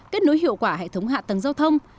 kết nối hiệu quả hệ thống hạ tầng giao thông